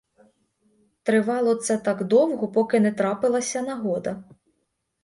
Тривало це так довго, поки не трапилася нагода.